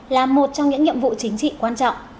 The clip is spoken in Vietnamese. là một trong những nhiệm vụ chính trị quan trọng